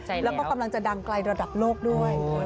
แล้วก็กำลังจะดังไกลระดับโลกด้วย